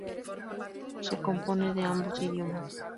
Se compone de ambos idiomas.